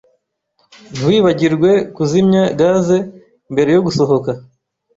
Ntiwibagirwe kuzimya gaze mbere yo gusohoka.